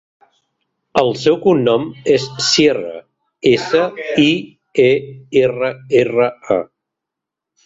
El seu cognom és Sierra: essa, i, e, erra, erra, a.